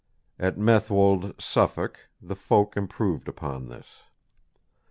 At Methwold, Suffolk, the folk improved upon this.